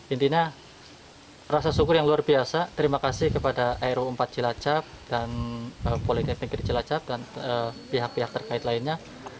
intinya rasa syukur yang luar biasa terima kasih kepada aero empat cilacap dan poligaming keri cilacap dan pihak pihak terkait lainnya